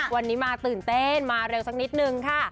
วันนี้มาตื่นเต้นมาเร็วสักนิดนึงค่ะ